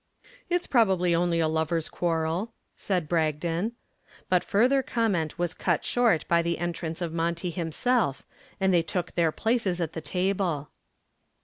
"It's probably only a lovers' quarrel," said Bragdon. But further comment was cut short by the entrance of Monty himself, and they took their places at the table.